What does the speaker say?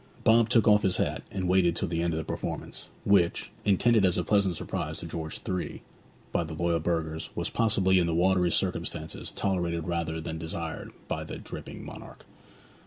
Bob took off his hat and waited till the end of the performance, which, intended as a pleasant surprise to George III. by the loyal burghers, was possibly in the watery circumstances tolerated rather than desired by that dripping monarch.